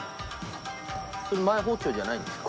それマイ包丁じゃないんですか？